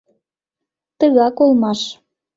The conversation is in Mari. Тыгак улмаш.